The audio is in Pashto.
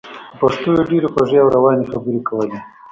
په پښتو یې ډېرې خوږې او روانې خبرې کولې.